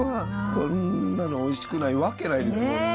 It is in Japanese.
こんなのおいしくないわけないですもんね。